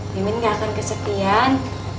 mimin gak akan kesetiaan